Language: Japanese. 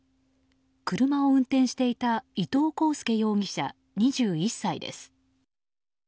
車を運転していた伊東航介容疑者、２１歳です。